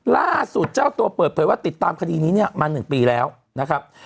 ล่าสุดเจ้าตัวเปิดเผยว่าติดตามคดีนี้เนี่ยมา๑ปีแล้วนะครับ